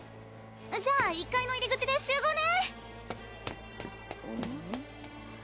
じゃあ１階の入り口で集合ね。